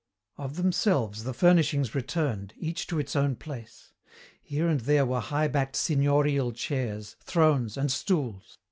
Of themselves the furnishings returned, each to its own place. Here and there were high backed signorial chairs, thrones, and stools.